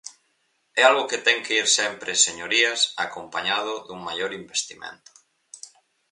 É algo que ten que ir sempre, señorías, acompañado dun maior investimento.